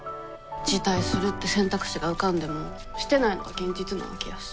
辞退するって選択肢が浮かんでもしてないのが現実なわけやし。